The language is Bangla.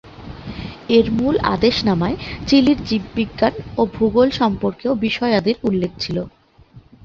এর মূল আদেশনামায় চিলির জীববিজ্ঞান ও ভূগোল সম্পর্কীয় বিষয়াদির কথা উল্লেখ ছিল।